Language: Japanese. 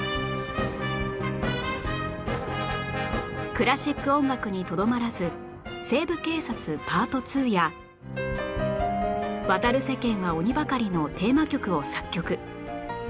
クラシック音楽にとどまらず『西部警察 ＰＡＲＴ ー Ⅱ』や『渡る世間は鬼ばかり』のテーマ曲を作曲